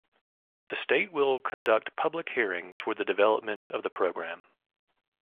The State will conduct public hearings for the development of the program.